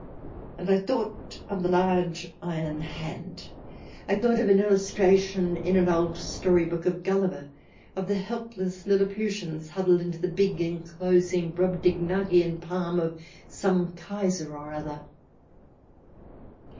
And I thought of the large Iron Hand. I thought of an illustration in an old story book of Gulliver — of the helpless Lilliputians huddled into the big enclosing Brobdingnagian palm of some Kaiser or other.